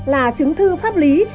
là chứng thư pháp lý